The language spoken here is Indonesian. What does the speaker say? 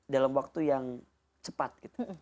dalam waktu yang cepat